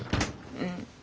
うん。